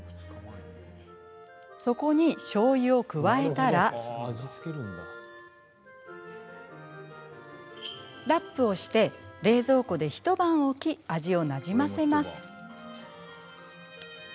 そこに、しょうゆを加えたらラップをして冷蔵庫で一晩置き味をなじませます。